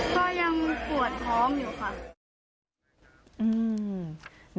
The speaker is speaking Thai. ก็ยังปวดท้องอยู่ค่ะ